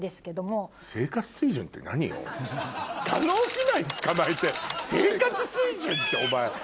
叶姉妹つかまえて生活水準ってお前。